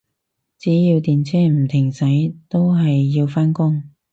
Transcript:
只要電車唔停駛，都係要返工